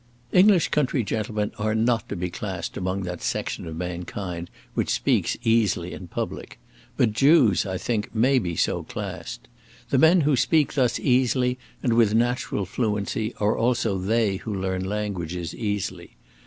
English country gentlemen are not to be classed among that section of mankind which speaks easily in public, but Jews, I think, may be so classed. The men who speak thus easily and with natural fluency, are also they who learn languages easily.